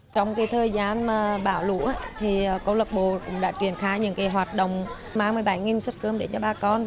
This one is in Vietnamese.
trong thời gian bão lũ câu lọc bộ đã truyền khai những hoạt động mang một mươi bảy xuất cơm để cho bà con